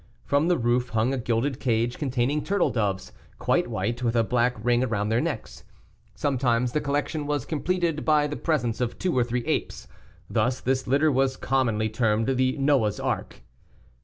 From the roof hung a gilded cage containing turtle doves, quite white, with a black ring round their necks. Sometimes the collection was completed by the presence of two or three apes. Thus this litter was commonly termed the Noah's Ark.